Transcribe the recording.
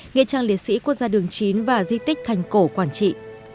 nghĩa trang liệt sĩ quốc gia đường chín và di tích thành cổ quảng trị